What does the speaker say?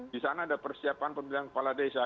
di sana ada persiapan pemilihan kepala desa